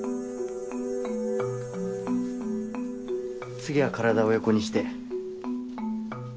次は体を横にして。